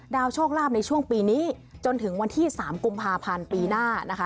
โชคลาภในช่วงปีนี้จนถึงวันที่๓กุมภาพันธ์ปีหน้านะคะ